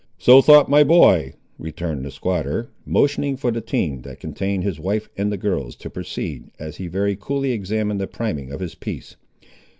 "So thought my boy," returned the squatter, motioning for the team, that contained his wife and the girls, to proceed, as he very coolly examined the priming of his piece.